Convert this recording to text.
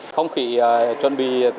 không khỉ chuẩn bị